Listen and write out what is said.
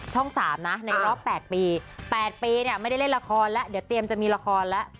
๓นะในรอบ๘ปี๘ปีเนี่ยไม่ได้เล่นละครแล้วเดี๋ยวเตรียมจะมีละครแล้ว